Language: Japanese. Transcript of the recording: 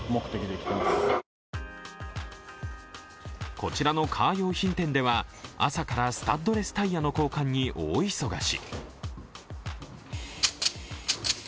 こちらのカー用品店では朝からスタッドレスタイヤの交換に大忙し。